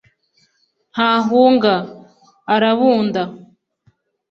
Ntahunga: Arabunda